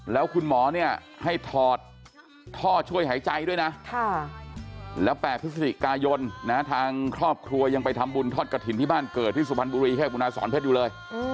แล้วคุณหมอเนี่ยให้ถอดท่อช่วยหายใจด้วยนะแล้ว๘พฤศจิกายนทางครอบครัวยังไปทำบุญทอดกระถิ่นที่บ้านเกิดที่สุพรรณบุรีให้คุณอาสอนเพชรอยู่เลย